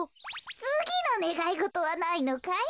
つぎのねがいごとはないのかい？